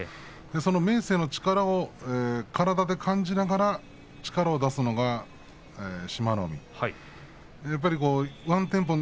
その明生の力を体で感じながら力を出すのが志摩ノ海です。